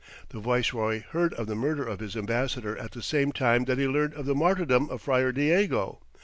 The viceroy heard of the murder of his ambassador at the same time that he learned of the martyrdom of Friar Diego.